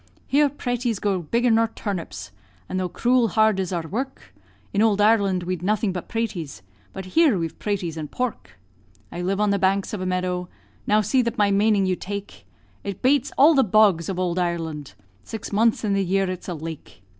Here praties grow bigger nor turnips; And though cruel hard is our work, In ould Ireland we'd nothing but praties, But here we have praties and pork. I live on the banks of a meadow, Now see that my maning you take; It bates all the bogs of ould Ireland Six months in the year it's a lake.